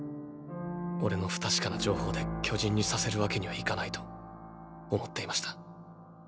オレの不確かな情報で巨人にさせるわけにはいかないと思っていました。